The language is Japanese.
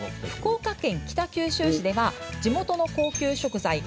福岡県北九州市では地元の高級食材